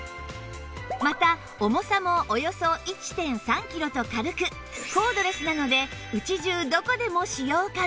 また重さもおよそ １．３ キロと軽くコードレスなので家中どこでも使用可能